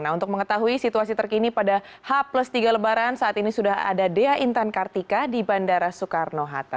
nah untuk mengetahui situasi terkini pada h tiga lebaran saat ini sudah ada dea intan kartika di bandara soekarno hatta